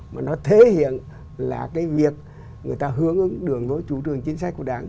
mà nó thể hiện là cái việc người ta hướng ứng đường với chủ trường chính sách của đảng